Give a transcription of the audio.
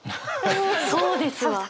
そうですわ。